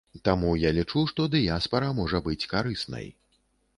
Таму я лічу, што дыяспара можа быць карыснай.